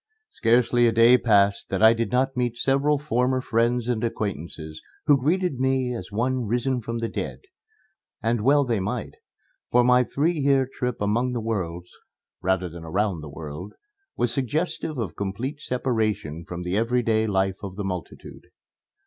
Scarcely a day passed that I did not meet several former friends and acquaintances who greeted me as one risen from the dead. And well they might, for my three year trip among the worlds rather than around the world was suggestive of complete separation from the everyday life of the multitude.